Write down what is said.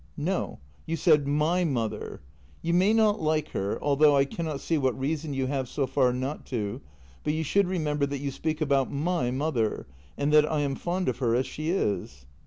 "No; you said my mother. You may not like her — al though I cannot see what reason you have so far not to — but you should remember that you speak about my mother, and that I am fond of her as she is."